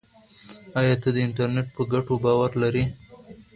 ایا ته د انټرنیټ په ګټو باور لرې؟